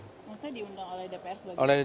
maksudnya diundang oleh dpr